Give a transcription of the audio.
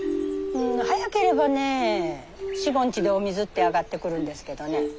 早ければね４５日でお水って上がってくるんですけどね。